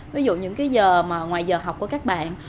ví dụ những giờ ngoài giờ học của các bạn